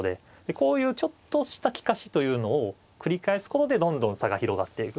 こういうちょっとした利かしというのを繰り返すことでどんどん差が広がっていく。